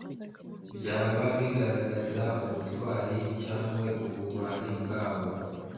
byaba ibigaragaza ubutwari cyangwa ubugwari bwabo,